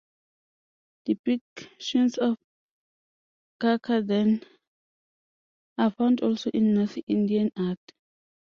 Depictions of "karkadann" are found also in North Indian art.